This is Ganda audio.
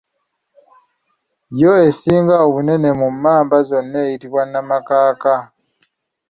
Yo esinga obunene mu mmamba zonna eyitibwa Namakaka.